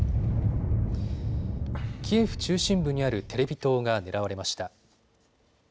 キエフ中心部にあるテレビ塔が狙われました。